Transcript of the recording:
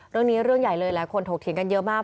เรื่องนี้เรื่องใหญ่เลยแล้วคนถูกถีนกันเยอะมาก